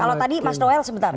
kalau tadi mas noel sebentar